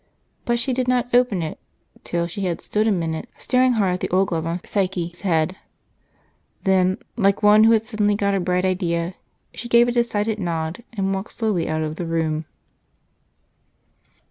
But she did not open it till she had stood a minute staring hard at the old glove on Psyche's head; then like one who had suddenly gotten a bright idea, she gave a decided nod and walked slowly out of the room.